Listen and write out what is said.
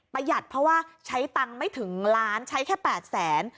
หยัดเพราะว่าใช้ตังค์ไม่ถึงล้านใช้แค่๘แสน